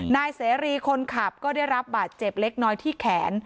นายเสรีคนขับก็ได้รับบาดเจ็บเล็กน้อยที่แขน